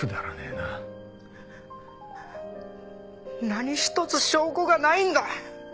何一つ証拠がないんだ！